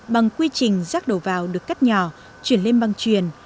bằng quy trình rác đầu vào được cắt nhỏ chuyển lên băng truyền